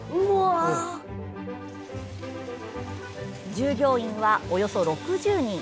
従業員は、およそ６０人。